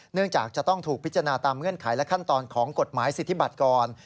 จากจะต้องถูกพิจารณาตามเงื่อนไขและขั้นตอนของกฎหมายสิทธิบัตรก่อน